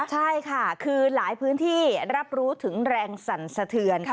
ใช่ค่ะคือหลายพื้นที่รับรู้ถึงแรงสั่นสะเทือน